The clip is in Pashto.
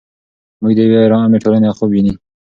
موږ د یوې ارامې ټولنې خوب ویني.